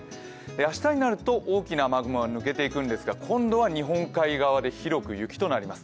明日になると大きな雨雲が抜けていくんですが、今度は日本海側で広く雪となります。